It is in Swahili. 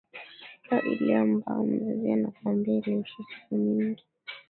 Shika ile ambayo mzazi anakuambia ili uishi siku mingi